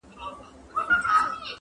او له هیلمند څخه تر جلال آباد -